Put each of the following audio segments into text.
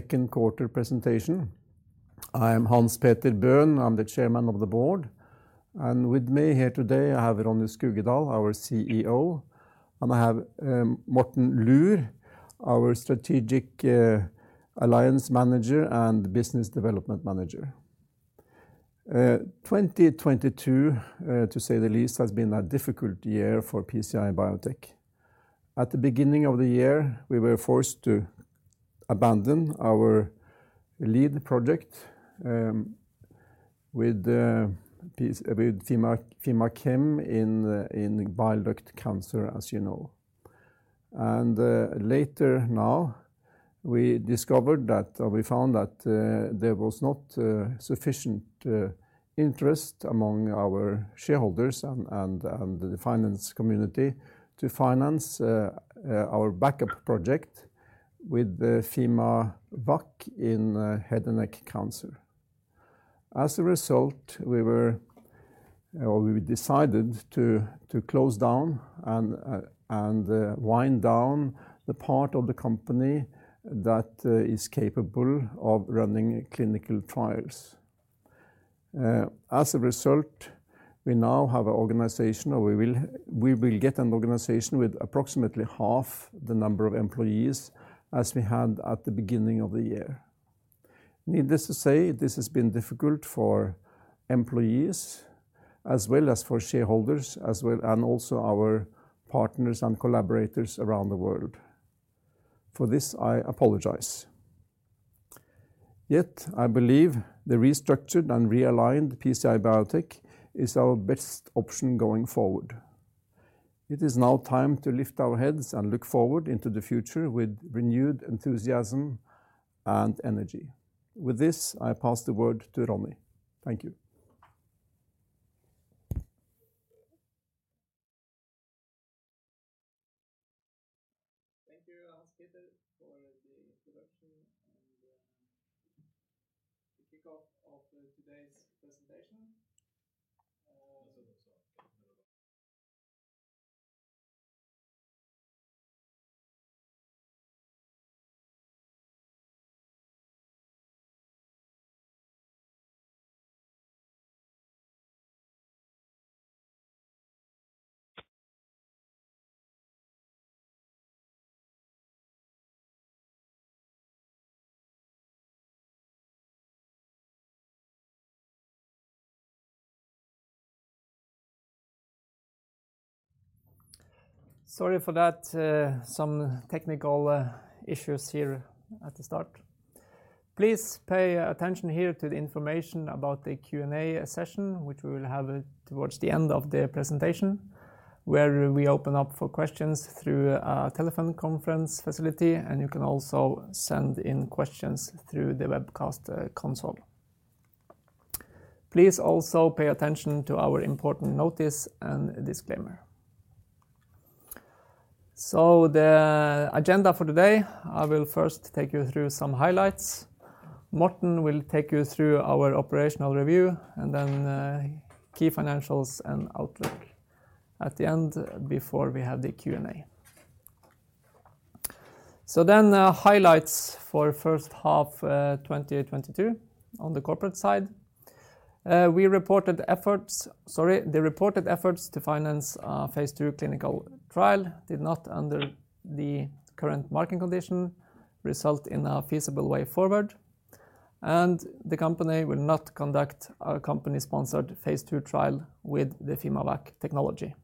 Q2 presentation. I am Hans Petter Bøhn. I'm the Chairman of the Board. With me here today, I have Ronny Skuggedal, our CEO, and I have Morten Luhr, our Strategic Alliance Manager and Business Development Manager. 2022, to say the least, has been a difficult year for PCI Biotech. At the beginning of the year, we were forced to abandon our lead project with fimaCHEM in bile duct cancer, as you know. Later now, we discovered that or we found that there was not sufficient interest among our shareholders and the finance community to finance our backup project with the fimaVACC in head and neck cancer. As a result, we decided to close down and wind down the part of the company that is capable of running clinical trials. As a result, we will get an organization with approximately half the number of employees as we had at the beginning of the year. Needless to say, this has been difficult for employees as well as for shareholders, and also our partners and collaborators around the world. For this, I apologize. Yet, I believe the restructured and realigned PCI Biotech is our best option going forward. It is now time to lift our heads and look forward into the future with renewed enthusiasm and energy. With this, I pass the word to Ronny. Thank you. Thank you, Hans Petter, for the introduction and the kickoff of today's presentation. Sorry for that, some technical issues here at the start. Please pay attention here to the information about the Q&A session, which we will have towards the end of the presentation, where we open up for questions through a telephone conference facility, and you can also send in questions through the webcast console. Please also pay attention to our important notice and disclaimer. The agenda for today, I will first take you through some highlights. Morten will take you through our operational review and then key financials and outlook at the end before we have the Q&A. The highlights for H1 2022 on the corporate side. The reported efforts to finance phase 2 clinical trial did not under the current market condition result in a feasible way forward. The company will not conduct a company-sponsored phase 2 trial with the fimaVACC technology.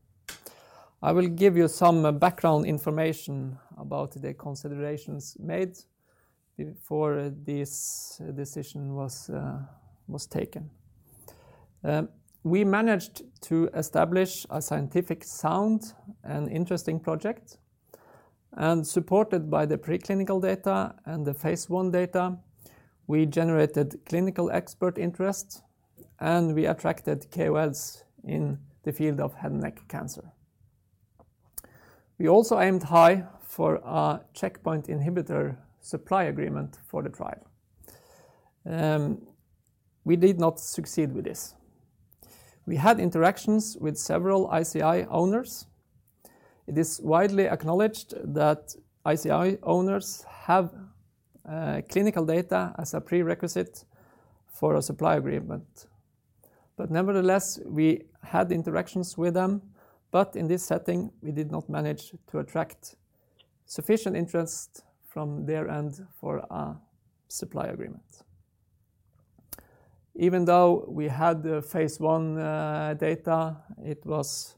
I will give you some background information about the considerations made before this decision was taken. We managed to establish a scientifically sound and interesting project, and supported by the preclinical data and the phase 1 data, we generated clinical expert interest, and we attracted KOLs in the field of head and neck cancer. We also aimed high for a checkpoint inhibitor supply agreement for the trial. We did not succeed with this. We had interactions with several ICI owners. It is widely acknowledged that ICI owners have clinical data as a prerequisite for a supply agreement. Nevertheless, we had interactions with them, but in this setting, we did not manage to attract sufficient interest from their end for a supply agreement. Even though we had the phase 1 data, it was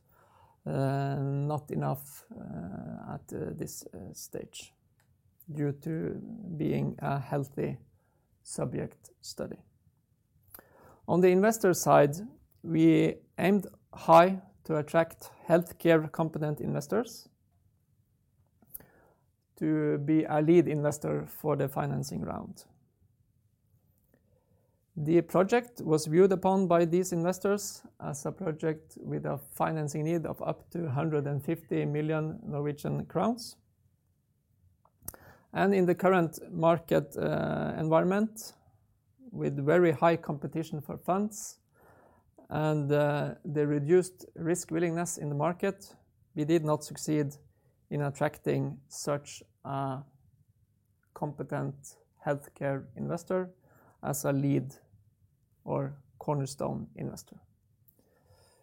not enough at this stage due to being a healthy subject study. On the investor side, we aimed high to attract healthcare competent investors to be a lead investor for the financing round. The project was viewed upon by these investors as a project with a financing need of up to 150 million Norwegian crowns. In the current market environment with very high competition for funds and the reduced risk willingness in the market, we did not succeed in attracting such a competent healthcare investor as a lead or cornerstone investor.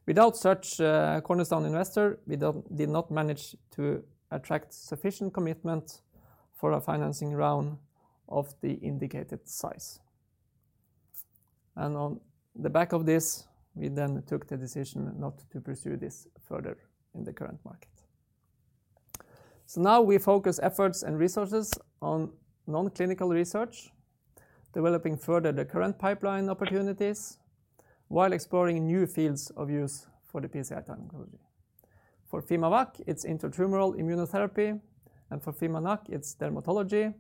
Without such a cornerstone investor, we did not manage to attract sufficient commitment for a financing round of the indicated size. On the back of this, we then took the decision not to pursue this further in the current market. Now we focus efforts and resources on non-clinical research, developing further the current pipeline opportunities while exploring new fields of use for the PCI technology. For fimaVACC, it's intratumoral immunotherapy, and for fimaNAC, it's dermatology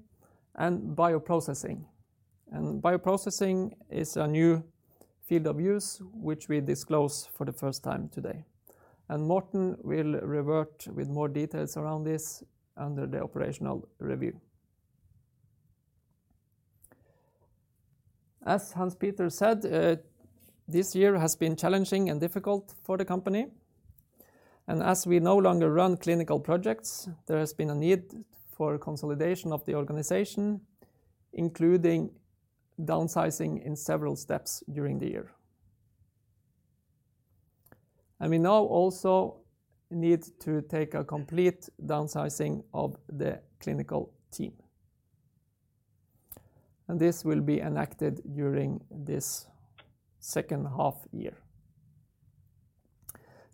and bioprocessing. Bioprocessing is a new field of use which we disclose for the first time today. Morten will revert with more details around this under the operational review. As Hans Petter said, this year has been challenging and difficult for the company. As we no longer run clinical projects, there has been a need for consolidation of the organization, including downsizing in several steps during the year. We now also need to take a complete downsizing of the clinical team. This will be enacted during this H2 year.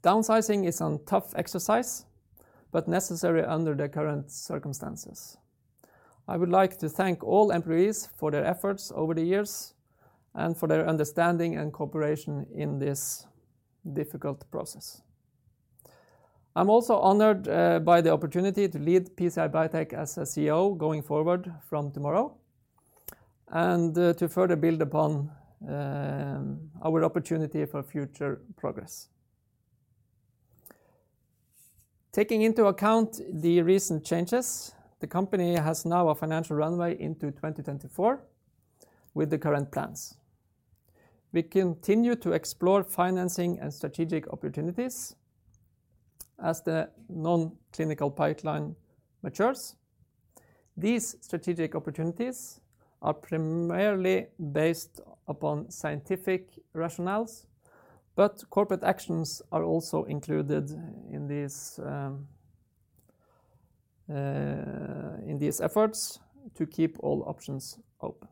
Downsizing is a tough exercise, but necessary under the current circumstances. I would like to thank all employees for their efforts over the years and for their understanding and cooperation in this difficult process. I'm also honored by the opportunity to lead PCI Biotech as a CEO going forward from tomorrow and to further build upon our opportunity for future progress. Taking into account the recent changes, the company has now a financial runway into 2024 with the current plans. We continue to explore financing and strategic opportunities as the non-clinical pipeline matures. These strategic opportunities are primarily based upon scientific rationales, but corporate actions are also included in these efforts to keep all options open.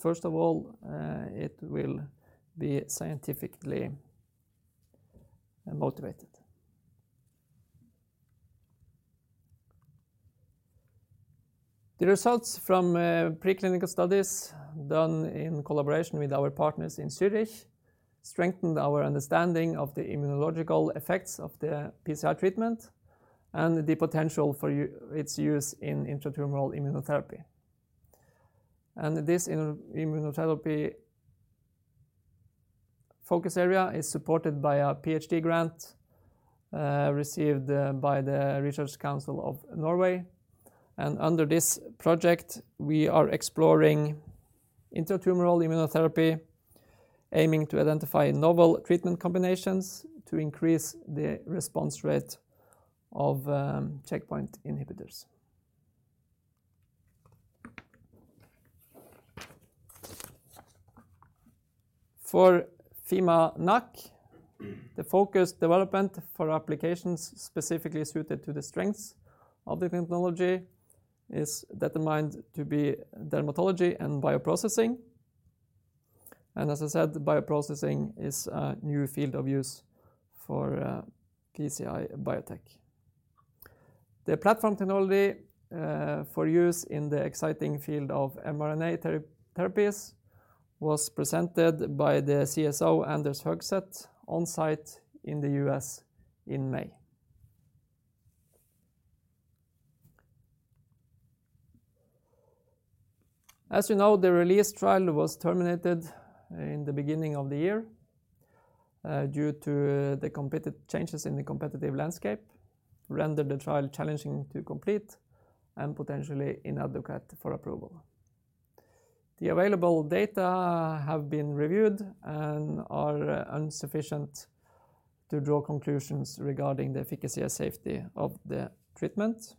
First of all, it will be scientifically motivated. The results from preclinical studies done in collaboration with our partners in Zurich strengthened our understanding of the immunological effects of the PCI treatment and the potential for its use in intratumoral immunotherapy. This immunotherapy focus area is supported by a PhD grant received by the Research Council of Norway. Under this project, we are exploring intratumoral immunotherapy, aiming to identify novel treatment combinations to increase the response rate of checkpoint inhibitors. For fimaNAC, the focused development for applications specifically suited to the strengths of the technology is determined to be dermatology and bioprocessing. As I said, bioprocessing is a new field of use for PCI Biotech. The platform technology for use in the exciting field of mRNA therapies was presented by the CSO Anders Høgset on site in the U.S. in May. As you know, the RELEASE trial was terminated in the beginning of the year due to the competitive changes in the competitive landscape rendered the trial challenging to complete and potentially inadequate for approval. The available data have been reviewed and are insufficient to draw conclusions regarding the efficacy and safety of the treatment.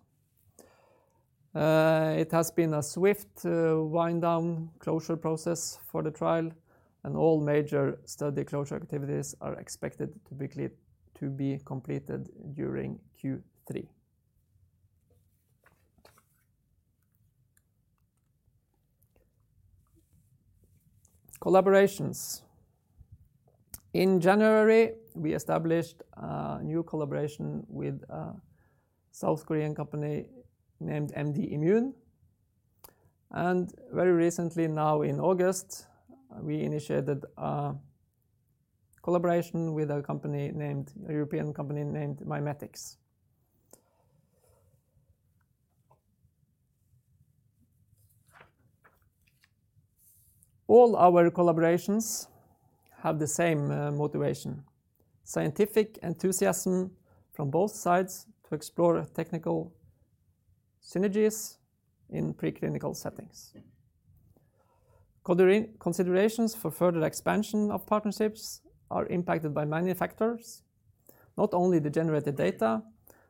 It has been a swift wind down closure process for the trial and all major study closure activities are expected to be completed during Q3. Collaborations. In January, we established a new collaboration with a South Korean company named MDimune. Very recently now in August, we initiated a collaboration with a company named a European company named Mimetix. All our collaborations have the same motivation. Scientific enthusiasm from both sides to explore technical synergies in preclinical settings. Considerations for further expansion of partnerships are impacted by many factors, not only the generated data,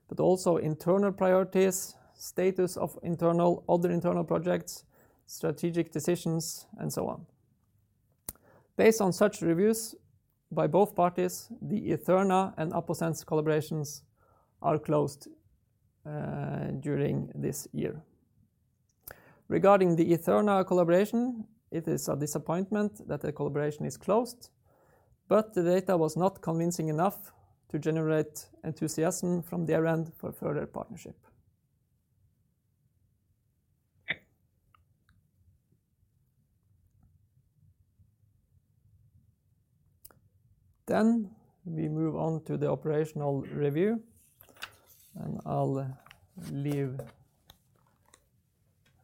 but also internal priorities, status of internal, other internal projects, strategic decisions, and so on. Based on such reviews by both parties, the eTheRNA and Aposense collaborations are closed during this year. Regarding the eTheRNA collaboration, it is a disappointment that the collaboration is closed, but the data was not convincing enough to generate enthusiasm from their end for further partnership. We move on to the operational review, and I'll leave.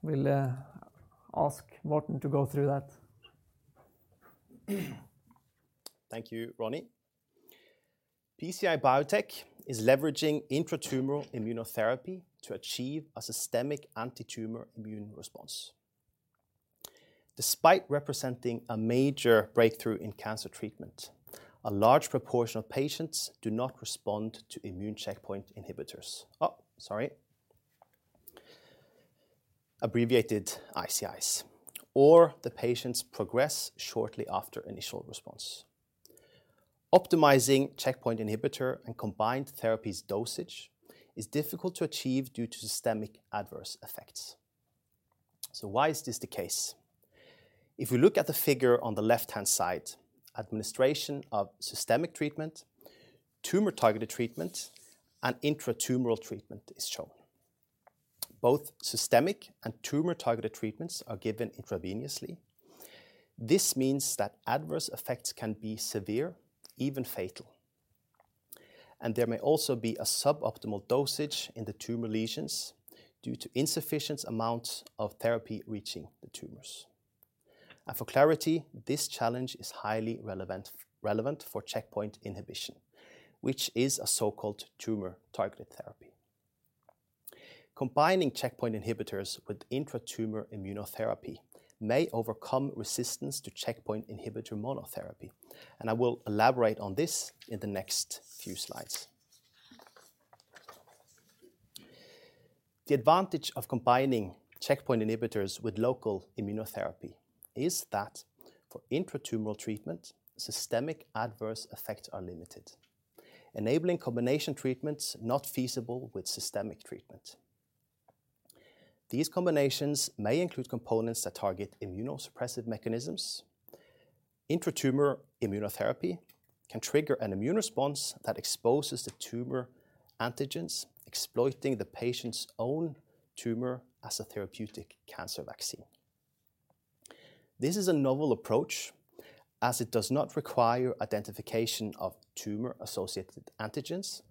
We'll ask Morten to go through that. Thank you, Ronny. PCI Biotech is leveraging intratumoral immunotherapy to achieve a systemic antitumor immune response. Despite representing a major breakthrough in cancer treatment, a large proportion of patients do not respond to immune checkpoint inhibitors. Abbreviated ICIs, or the patients progress shortly after initial response. Optimizing checkpoint inhibitor and combined therapies dosage is difficult to achieve due to systemic adverse effects. Why is this the case? If we look at the figure on the left-hand side, administration of systemic treatment, tumor-targeted treatment, and intratumoral treatment is shown. Both systemic and tumor-targeted treatments are given intravenously. This means that adverse effects can be severe, even fatal, and there may also be a suboptimal dosage in the tumor lesions due to insufficient amounts of therapy reaching the tumors. For clarity, this challenge is highly relevant for checkpoint inhibition, which is a so-called tumor-targeted therapy. Combining checkpoint inhibitors with intratumor immunotherapy may overcome resistance to checkpoint inhibitor monotherapy, and I will elaborate on this in the next few slides. The advantage of combining checkpoint inhibitors with local immunotherapy is that for intratumoral treatment, systemic adverse effects are limited, enabling combination treatments not feasible with systemic treatment. These combinations may include components that target immunosuppressive mechanisms. Intratumor immunotherapy can trigger an immune response that exposes the tumor antigens, exploiting the patient's own tumor as a therapeutic cancer vaccine. This is a novel approach as it does not require identification of tumor-associated antigens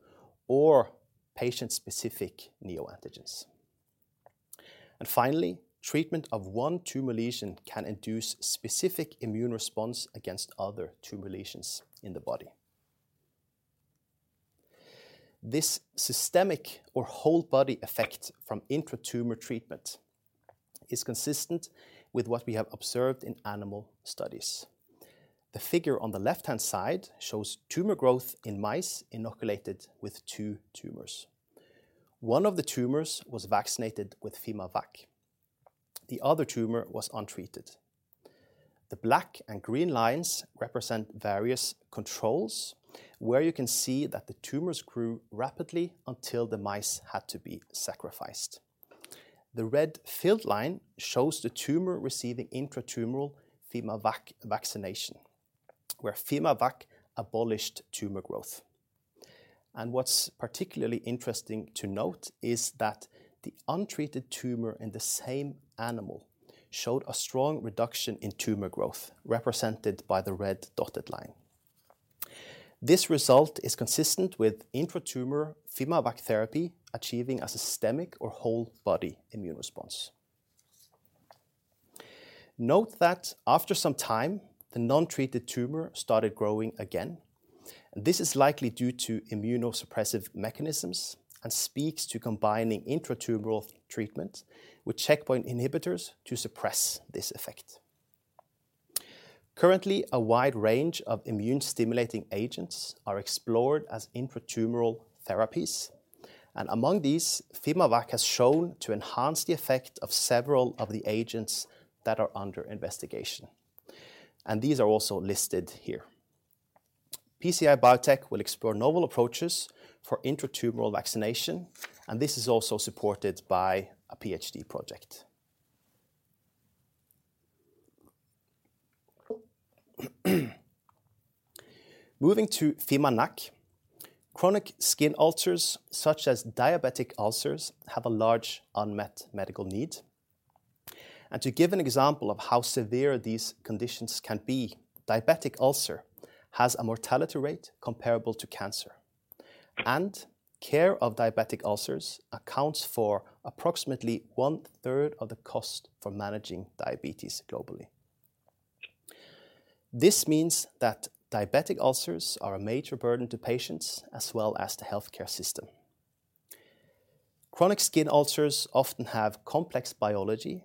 or patient-specific neoantigens. Finally, treatment of one tumor lesion can induce specific immune response against other tumor lesions in the body. This systemic or whole body effect from intratumor treatment is consistent with what we have observed in animal studies. The figure on the left-hand side shows tumor growth in mice inoculated with two tumors. One of the tumors was vaccinated with fimaVACC. The other tumor was untreated. The black and green lines represent various controls, where you can see that the tumors grew rapidly until the mice had to be sacrificed. The red field line shows the tumor receiving intratumoral fimaVACC vaccination, where fimaVACC abolished tumor growth. And what's particularly interesting to note is that the untreated tumor in the same animal showed a strong reduction in tumor growth, represented by the red dotted line. This result is consistent with intratumoral fimaVACC therapy achieving a systemic or whole body immune response. Note that after some time, the non-treated tumor started growing again. This is likely due to immunosuppressive mechanisms and speaks to combining intratumoral treatment with checkpoint inhibitors to suppress this effect. Currently, a wide range of immune stimulating agents are explored as intratumoral therapies, and among these, fimaVACC has shown to enhance the effect of several of the agents that are under investigation, and these are also listed here. PCI Biotech will explore novel approaches for intratumoral vaccination, and this is also supported by a PhD project. Moving to fimaNAC, chronic skin ulcers such as diabetic ulcers have a large unmet medical need. To give an example of how severe these conditions can be, diabetic ulcer has a mortality rate comparable to cancer. Care of diabetic ulcers accounts for approximately one-third of the cost for managing diabetes globally. This means that diabetic ulcers are a major burden to patients as well as the healthcare system. Chronic skin ulcers often have complex biology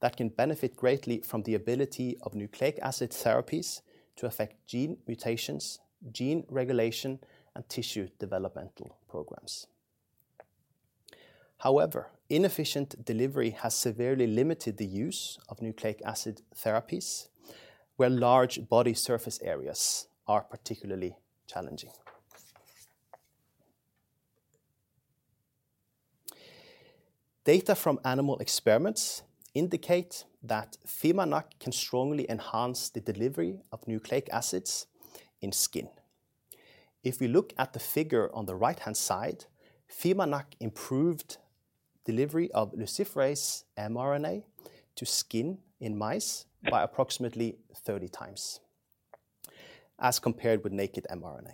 that can benefit greatly from the ability of nucleic acid therapies to affect gene mutations, gene regulation, and tissue developmental programs. However, inefficient delivery has severely limited the use of nucleic acid therapies, where large body surface areas are particularly challenging. Data from animal experiments indicate that fimaNAC can strongly enhance the delivery of nucleic acids in skin. If we look at the figure on the right-hand side, fimaNAC improved delivery of luciferase mRNA to skin in mice by approximately 30 times as compared with naked mRNA.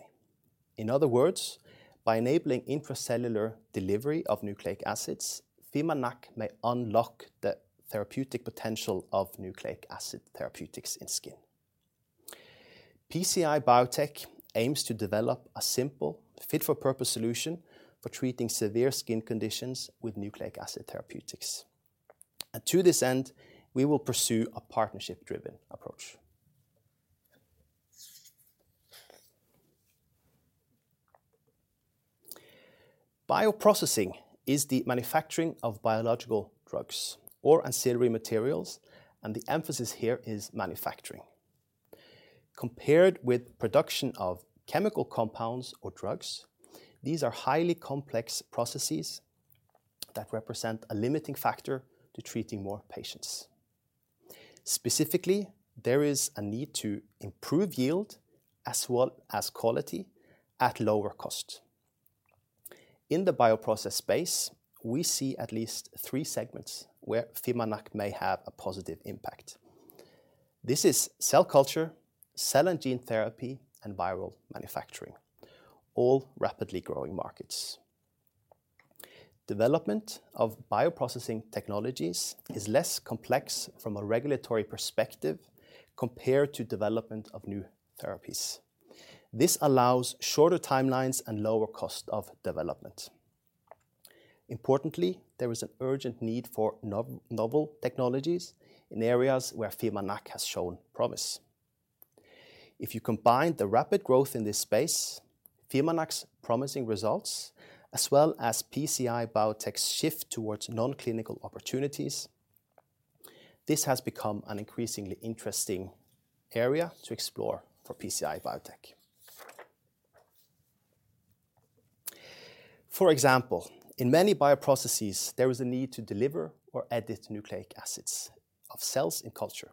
In other words, by enabling intracellular delivery of nucleic acids, fimaNAC may unlock the therapeutic potential of nucleic acid therapeutics in skin. PCI Biotech aims to develop a simple fit-for-purpose solution for treating severe skin conditions with nucleic acid therapeutics. To this end, we will pursue a partnership-driven approach. Bioprocessing is the manufacturing of biological drugs or ancillary materials, and the emphasis here is manufacturing. Compared with production of chemical compounds or drugs, these are highly complex processes that represent a limiting factor to treating more patients. Specifically, there is a need to improve yield as well as quality at lower cost. In the bioprocess space, we see at least three segments where fimaNAC may have a positive impact. This is cell culture, cell and gene therapy, and viral manufacturing, all rapidly growing markets. Development of bioprocessing technologies is less complex from a regulatory perspective compared to development of new therapies. This allows shorter timelines and lower cost of development. Importantly, there is an urgent need for novel technologies in areas where fimaNAC has shown promise. If you combine the rapid growth in this space, fimaNAC's promising results, as well as PCI Biotech's shift towards non-clinical opportunities, this has become an increasingly interesting area to explore for PCI Biotech. For example, in many bioprocesses, there is a need to deliver or edit nucleic acids of cells in culture.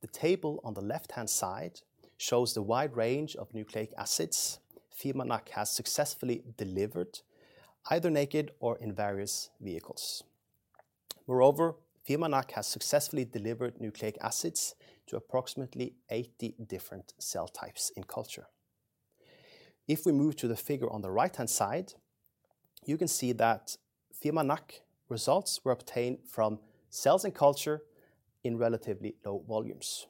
The table on the left-hand side shows the wide range of nucleic acids fimaNAC has successfully delivered, either naked or in various vehicles. Moreover, fimaNAC has successfully delivered nucleic acids to approximately 80 different cell types in culture. If we move to the figure on the right-hand side, you can see that fimaNAC results were obtained from cells in culture in relatively low volumes.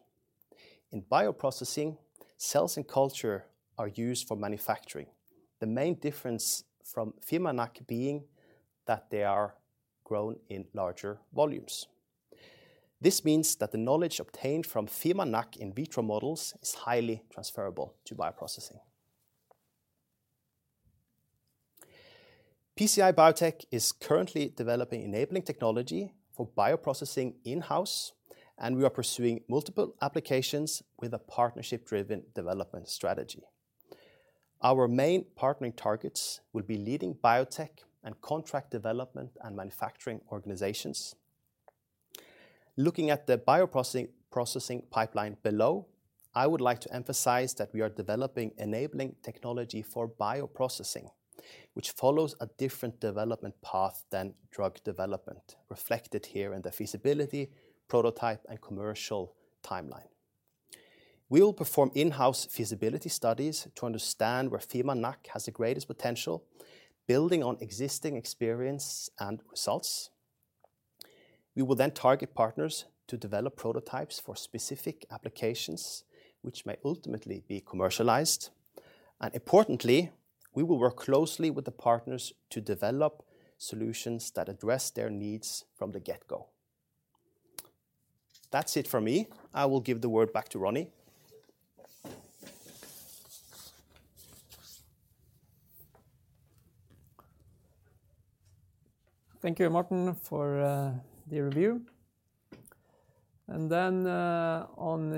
In bioprocessing, cells in culture are used for manufacturing. The main difference from fimaNAC being that they are grown in larger volumes. This means that the knowledge obtained from fimaNAC in vitro models is highly transferable to bioprocessing. PCI Biotech is currently developing enabling technology for bioprocessing in-house, and we are pursuing multiple applications with a partnership-driven development strategy. Our main partnering targets will be leading biotech and contract development and manufacturing organizations. Looking at the bioprocessing, processing pipeline below, I would like to emphasize that we are developing enabling technology for bioprocessing, which follows a different development path than drug development, reflected here in the feasibility, prototype, and commercial timeline. We will perform in-house feasibility studies to understand where fimaNAC has the greatest potential, building on existing experience and results. We will then target partners to develop prototypes for specific applications which may ultimately be commercialized. Importantly, we will work closely with the partners to develop solutions that address their needs from the get-go. That's it from me. I will give the word back to Ronny. Thank you, Morten, for the review. On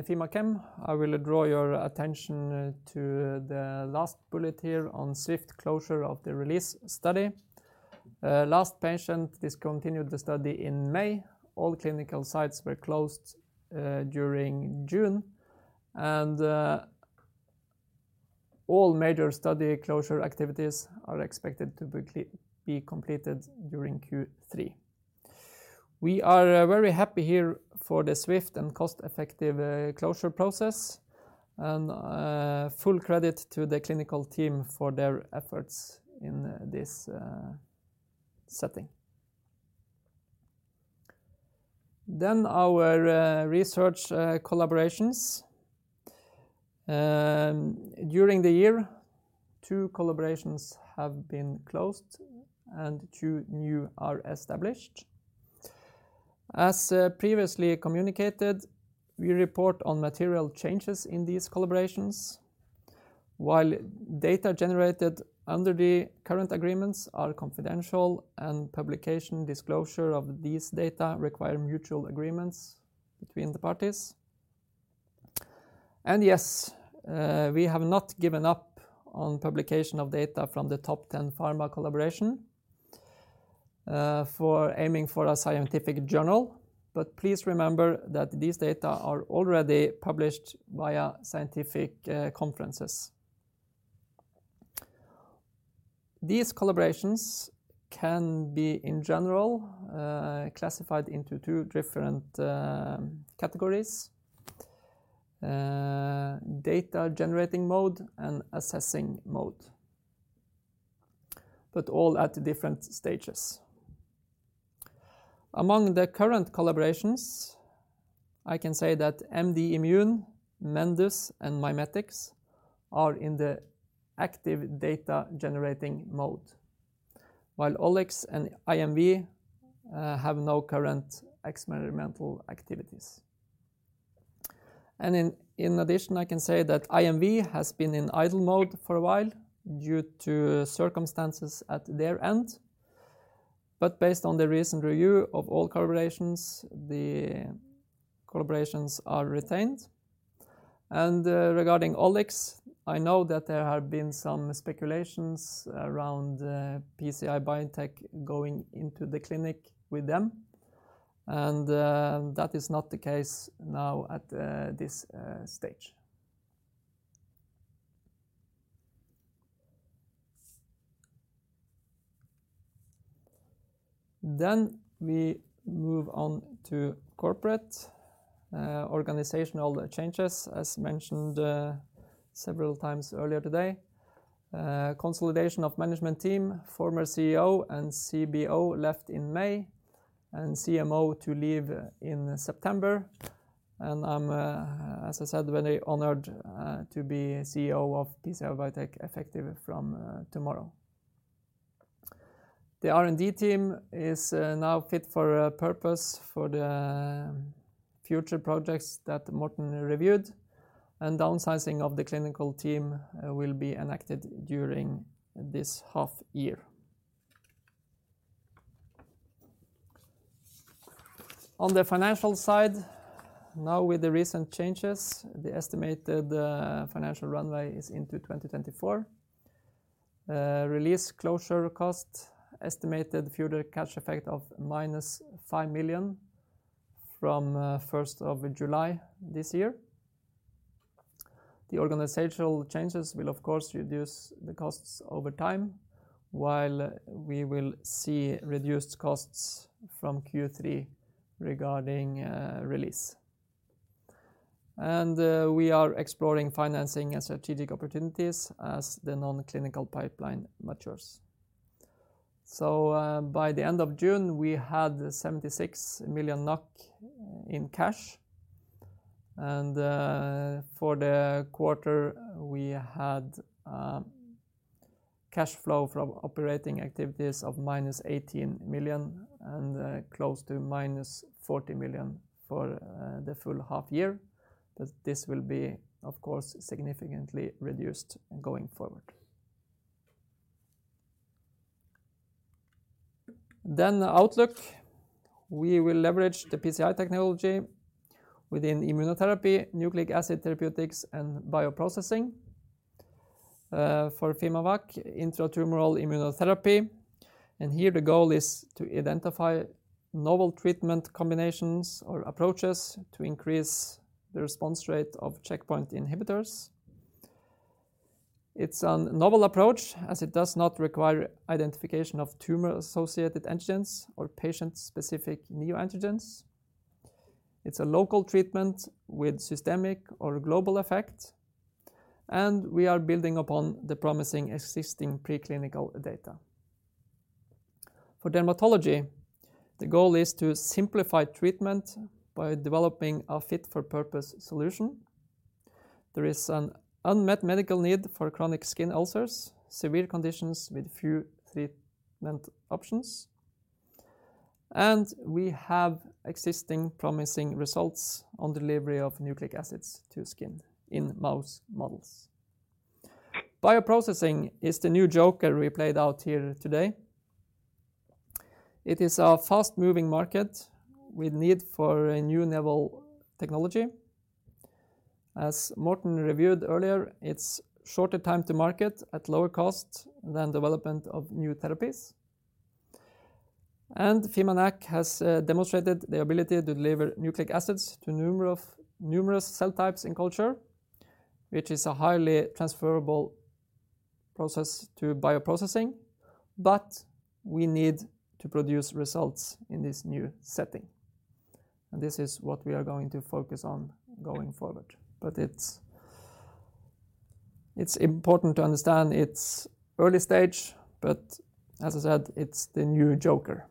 fimaCHEM, I will draw your attention to the last bullet here on swift closure of the RELEASE study. Last patient discontinued the study in May. All clinical sites were closed during June. All major study closure activities are expected to be completed during Q3. We are very happy here for the swift and cost-effective closure process, and full credit to the clinical team for their efforts in this setting. Our research collaborations. During the year, two collaborations have been closed and two new are established. As previously communicated, we report on material changes in these collaborations. While data generated under the current agreements are confidential and publication disclosure of these data require mutual agreements between the parties. Yes, we have not given up on publication of data from the top ten pharma collaboration, for aiming for a scientific journal. Please remember that these data are already published via scientific conferences. These collaborations can be, in general, classified into two different categories. Data generating mode and assessing mode. All at different stages. Among the current collaborations, I can say that MDimune, Mendus, and Mimetix are in the active data generating mode, while OliX and IMV Inc. have no current experimental activities. In addition, I can say that IMV Inc. has been in idle mode for a while due to circumstances at their end. Based on the recent review of all collaborations, the collaborations are retained. Regarding Olix, I know that there have been some speculations around PCI Biotech going into the clinic with them, and that is not the case now at this stage. We move on to corporate. Organizational changes. As mentioned several times earlier today, consolidation of management team, former CEO and CBO left in May, and CMO to leave in September. I'm, as I said, very honored to be CEO of PCI Biotech effective from tomorrow. The R&D team is now fit for a purpose for the future projects that Morten reviewed, and downsizing of the clinical team will be enacted during this half year. On the financial side, now with the recent changes, the estimated financial runway is into 2024. RELEASE closure cost, estimated future cash effect of -5 million from first of July this year. The organizational changes will of course, reduce the costs over time, while we will see reduced costs from Q3 regarding RELEASE. We are exploring financing and strategic opportunities as the non-clinical pipeline matures. By the end of June, we had 76 million NOK in cash, and for the quarter we had cash flow from operating activities of -18 million and close to -40 million for the full half year. This will be, of course, significantly reduced going forward. The outlook. We will leverage the PCI technology within immunotherapy, nucleic acid therapeutics, and bioprocessing. For fimaVACC, intratumoral immunotherapy, and here the goal is to identify novel treatment combinations or approaches to increase the response rate of checkpoint inhibitors. It's a novel approach as it does not require identification of tumor-associated antigens or patient-specific neoantigens. It's a local treatment with systemic or global effect, and we are building upon the promising existing preclinical data. For dermatology, the goal is to simplify treatment by developing a fit for purpose solution. There is an unmet medical need for chronic skin ulcers, severe conditions with few treatment options. We have existing promising results on delivery of nucleic acids to skin in mouse models. Bioprocessing is the new joker we played out here today. It is a fast-moving market with need for a new level technology. As Morten reviewed earlier, it's shorter time to market at lower cost than development of new therapies. fimaNAC has demonstrated the ability to deliver nucleic acids to numerous cell types in culture, which is a highly transferable process to bioprocessing. We need to produce results in this new setting, and this is what we are going to focus on going forward. It's important to understand its early stage, but as I said, it's the new joker.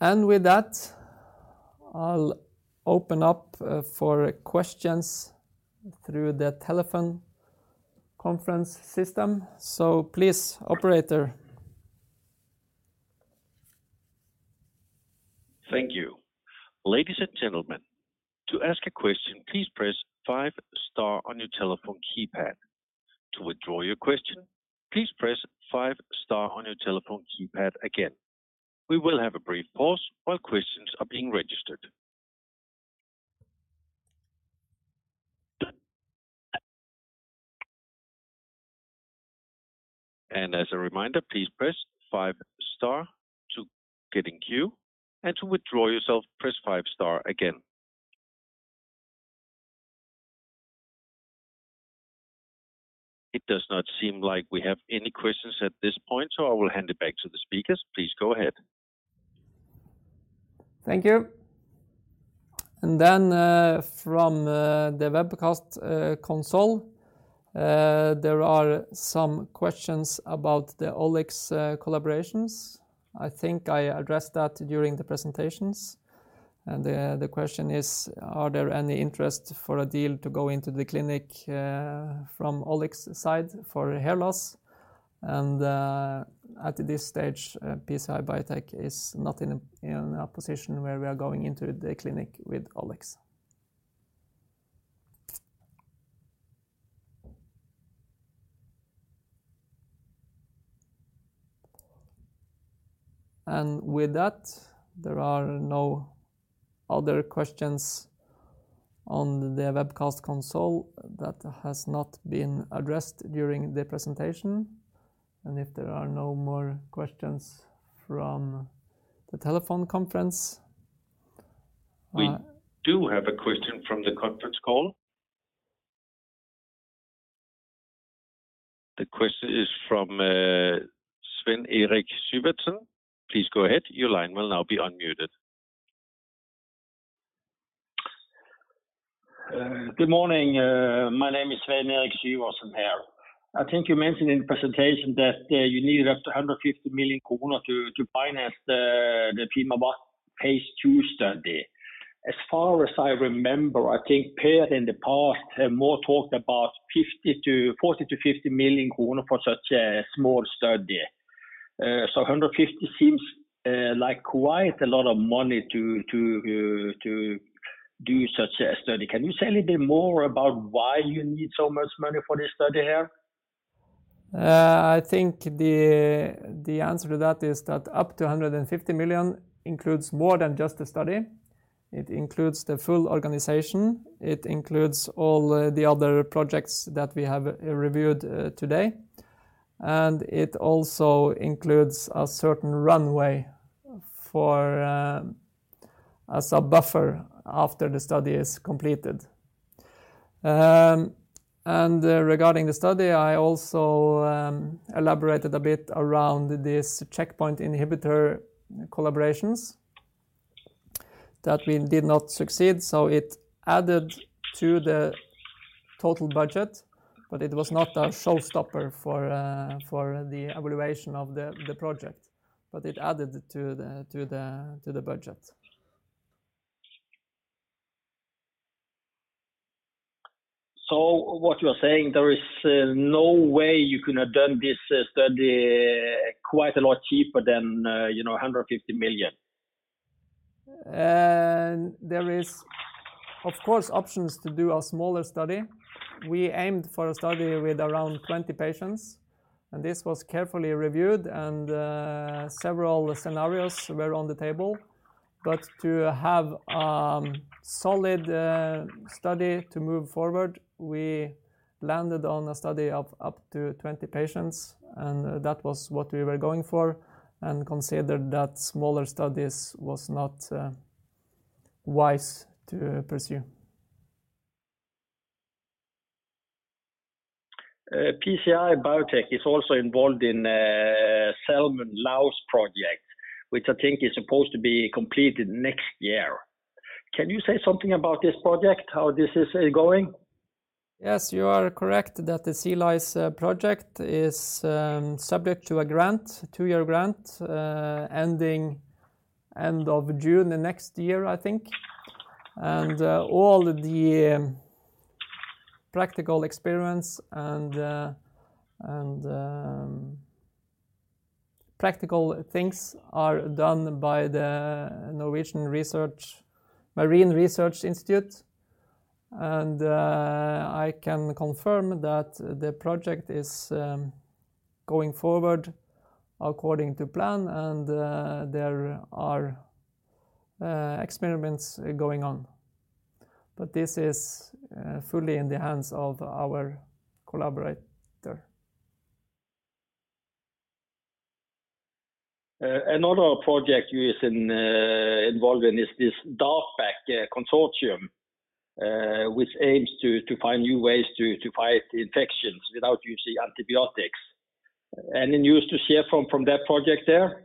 With that, I'll open up for questions through the telephone conference system. Please, operator. Thank you. Ladies and gentlemen, to ask a question, please press five star on your telephone keypad. To withdraw your question, please press five star on your telephone keypad again. We will have a brief pause while questions are being registered. As a reminder, please press five star to get in queue, and to withdraw yourself, press five star again. It does not seem like we have any questions at this point, so I will hand it back to the speakers. Please go ahead. Thank you. From the webcast console, there are some questions about the OliX collaborations. I think I addressed that during the presentations. The question is, are there any interest for a deal to go into the clinic, from OliX side for hair loss? At this stage, PCI Biotech is not in a position where we are going into the clinic with OliX. With that, there are no other questions on the webcast console that has not been addressed during the presentation. If there are no more questions from the telephone conference. We do have a question from the conference call. The question is from Sven Erik Syvertsen. Please go ahead. Your line will now be unmuted. Good morning. My name is Sven Erik Syvertsen here. I think you mentioned in the presentation that you needed up to 150 million kroner to finance the fimaVACC phase two study. As far as I remember, I think Per in the past have more talked about 40 million-50 million kroner for such a small study. So 150 seems like quite a lot of money to do such a study. Can you say a little bit more about why you need so much money for this study here? I think the answer to that is that up to 150 million includes more than just the study. It includes the full organization. It includes all the other projects that we have reviewed today. It also includes a certain runway for as a buffer after the study is completed. Regarding the study, I also elaborated a bit around this checkpoint inhibitor collaborations that we did not succeed. It added to the total budget, but it was not a showstopper for the evaluation of the project. It added to the budget. What you are saying, there is no way you could have done this study quite a lot cheaper than 150 million? There is of course, options to do a smaller study. We aimed for a study with around 20 patients, and this was carefully reviewed and several scenarios were on the table. To have a solid study to move forward, we landed on a study of up to 20 patients, and that was what we were going for, and considered that smaller studies was not wise to pursue. PCI Biotech is also involved in a salmon louse project, which I think is supposed to be completed next year. Can you say something about this project, how this is going? Yes, you are correct that the sea lice project is subject to a grant, two-year grant, ending end of June the next year, I think. All the practical experience and practical things are done by the Institute of Marine Research. I can confirm that the project is going forward according to plan, and there are experiments going on. This is fully in the hands of our collaborator. Another project you're involved in is this DARPA consortium, which aims to find new ways to fight infections without using antibiotics. Any news to share from that project there?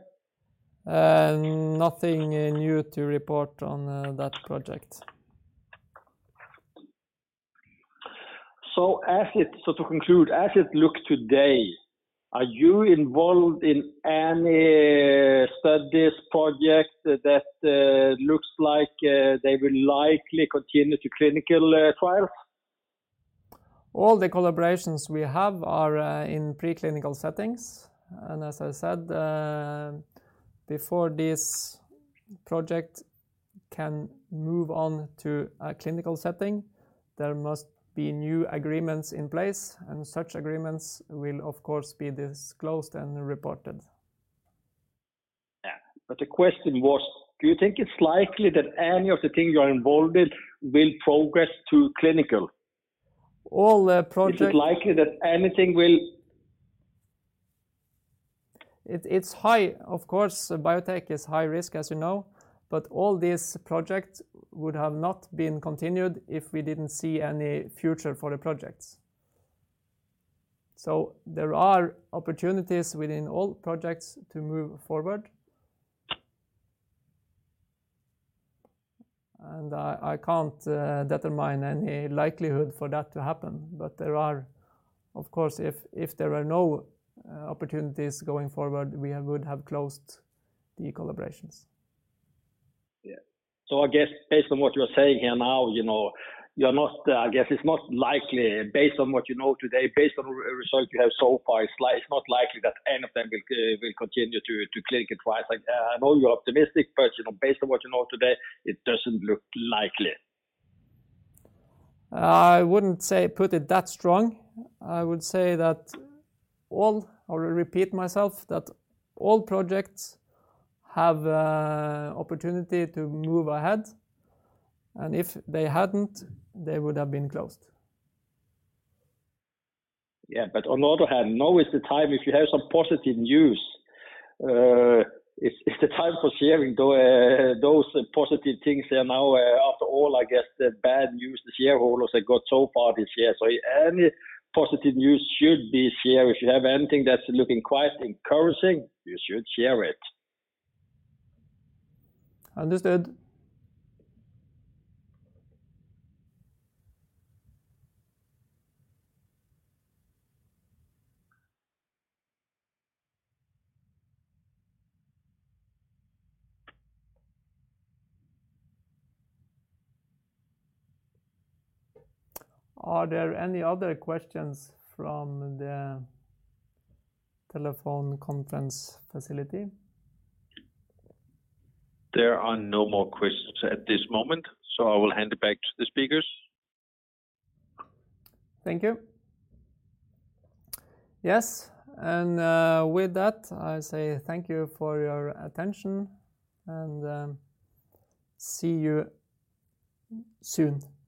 Nothing new to report on that project. To conclude, as it looks today, are you involved in any studies, projects that looks like they will likely continue to clinical trials? All the collaborations we have are in preclinical settings. As I said, before this project can move on to a clinical setting, there must be new agreements in place, and such agreements will of course be disclosed and reported. Yeah. The question was, do you think it's likely that any of the things you are involved in will progress to clinical? All the projects. Is it likely that anything will? It's high. Of course, biotech is high risk, as you know. All these projects would have not been continued if we didn't see any future for the projects. There are opportunities within all projects to move forward. I can't determine any likelihood for that to happen. Of course, if there are no opportunities going forward, we would have closed the collaborations. Yeah. I guess based on what you're saying here now I guess it's not likely based on what you know today, based on results you have so far, it's not likely that any of them will continue to clinical trials. Like, I know you're optimistic, but based on what you know today, it doesn't look likely. I wouldn't say put it that strong. I would say, or to repeat myself, that all projects have an opportunity to move ahead. If they hadn't, they would have been closed. Yeah. On the other hand, now is the time, if you have some positive news, it's the time for sharing those positive things here now. After all, I guess the bad news the shareholders have got so far this year. Any positive news should be shared. If you have anything that's looking quite encouraging, you should share it. Understood. Are there any other questions from the telephone conference facility? There are no more questions at this moment, so I will hand it back to the speakers. Thank you. Yes. With that, I say thank you for your attention, and see you soon.